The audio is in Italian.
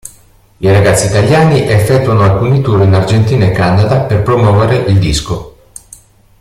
I Ragazzi Italiani effettuano alcuni tour in Argentina e Canada per promuovere il disco.